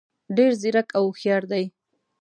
ډېر ځیرک او هوښیار دي.